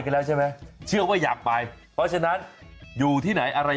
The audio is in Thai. ข้างบัวแห่งสันยินดีต้อนรับทุกท่านนะครับ